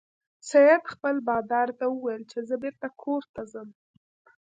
سید خپل بادار ته وویل چې زه بیرته کور ته ځم.